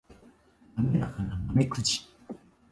滑らかなナメクジ